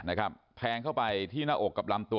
แทงเข้าไปที่หน้าอกกับลำตัว